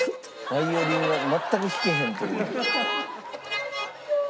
ヴァイオリンが全く弾けへんという。